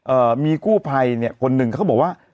มีกู้ภัยเนี่ยคนหนึ่งเขาบอกว่า